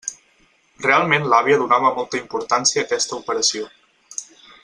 Realment l'àvia donava molta importància a aquesta operació.